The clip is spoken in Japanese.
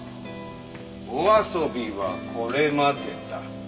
お遊びはこれまでだ。